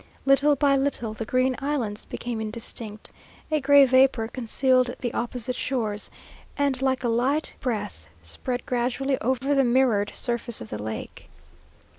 Little by little the green islands became indistinct; a gray vapour concealed the opposite shores; and like a light breath spread gradually over the mirrored surface of the lake.